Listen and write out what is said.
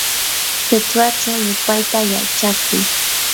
qichwachaw yupayta yachakuy.